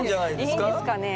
いいんですかね？